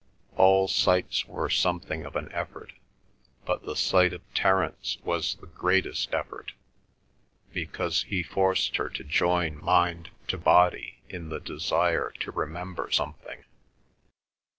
All sights were something of an effort, but the sight of Terence was the greatest effort, because he forced her to join mind to body in the desire to remember something.